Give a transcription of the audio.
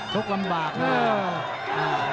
ชกลำบากเลย